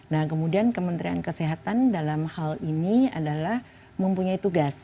nah kemudian kementerian kesehatan dalam hal ini adalah mempunyai tugas